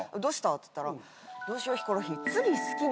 っつったら「どうしようヒコロヒー」